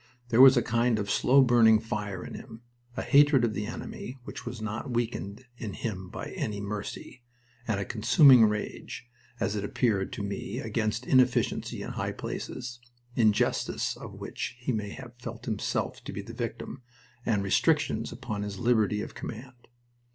There was a kind of slow burning fire in him a hatred of the enemy which was not weakened in him by any mercy, and a consuming rage, as it appeared to me, against inefficiency in high places, injustice of which he may have felt himself to be the victim, and restrictions upon his liberty of command.